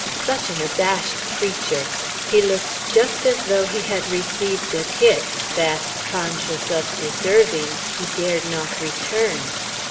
Such an abashed creature! He looked just as though he had received a kick, that, conscious of deserving, he dared not return!